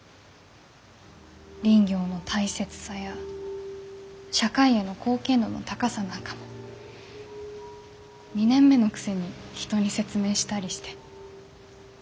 林業の大切さや社会への貢献度の高さなんかも２年目のくせに人に説明したりして。